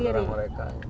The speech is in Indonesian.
iya terserah mereka